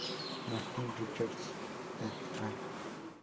Martin Richards et al.